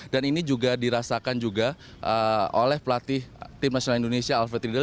dan ini juga dirasakan juga oleh pelatih tim nasional indonesia alfred riedel